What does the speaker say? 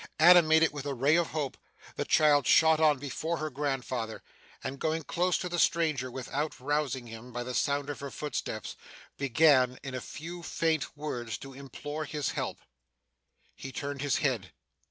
Animated with a ray of hope, the child shot on before her grandfather, and, going close to the stranger without rousing him by the sound of her footsteps, began, in a few faint words, to implore his help. He turned his head.